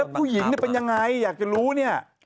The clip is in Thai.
แล้วผู้หญิงนี่เป็นอย่างไรอยากจะรู้นี่